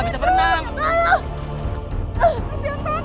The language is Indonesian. sampai siang pak